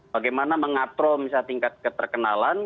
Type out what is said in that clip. bagaimana mengatrol misalnya tingkat keterkenalan